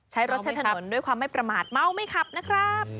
ใช้รถใช้ถนนด้วยความไม่ประมาทเมาไม่ขับนะครับ